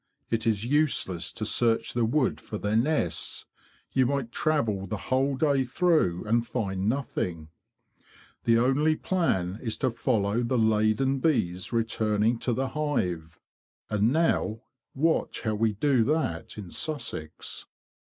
It is useless to search the wood for their nests; you might travel the whole day through and find nothing. The only plan is to follow the laden bees returning to the hive. And now watch how we do that in Sussex."